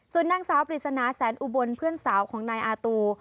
ส่วนนางสาวปริศนาแสนอุบลเพื่อนสาวของนายอาตู